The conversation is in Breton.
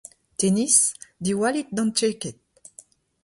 Tennis : diwallit d’an Dcheked !